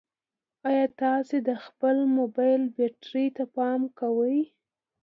ایا تاسي د خپل موبایل بیټرۍ ته پام کوئ؟